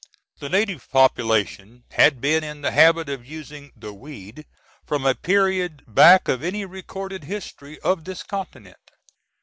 The native population had been in the habit of using "the weed" from a period, back of any recorded history of this continent.